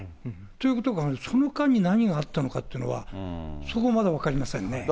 ということはその間に何があったのかというのは、そこ、まだ分かりませんね。